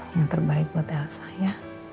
yang terbaik buat elsa ya